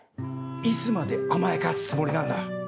いつまで甘やかすつもりなんだ。